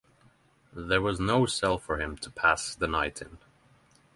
There was no cell for him to pass the night in.